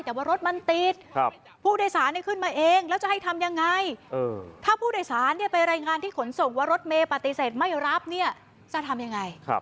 แต่ว่ารถมันติดผู้โดยศาลจะขึ้นมาเอง